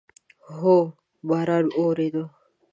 هو، باران اوورېدو